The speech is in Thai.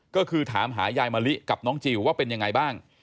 ก็คือถามหายายมะลิกับน้องจิลว่าเป็นยังไงบ้าง